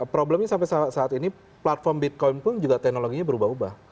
problemnya sampai saat ini platform bitcoin pun juga teknologinya berubah ubah